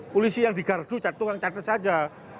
polisi yang digardu tukang cadet saja